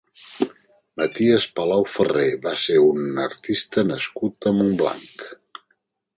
Maties Palau Ferré va ser un artista nascut a Montblanc.